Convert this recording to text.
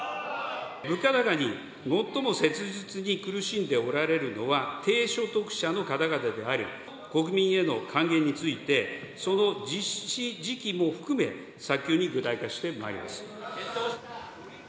物価高に最も切実に苦しんでおられるのは、低所得者の方々であり、国民への還元について、その実施時期も含め、早急に具体化してまいります。